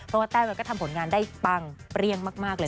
เพราะว่าแต้มันก็ทำผลงานได้ปังเปรี้ยงมากเลย